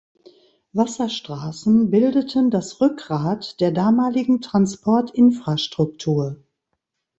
Wasserstraßen bildeten das Rückgrat der damaligen Transportinfrastruktur.